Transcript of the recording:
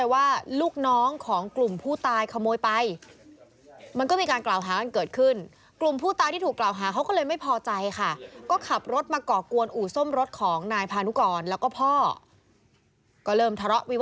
ว่าไม่ได้เกี่ยวข้องกันเลย